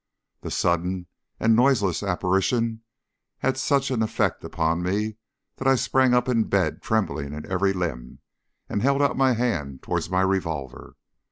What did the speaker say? The sudden and noiseless apparition had such an effect upon me that I sprang up in bed trembling in every limb, and held out my hand towards my revolver.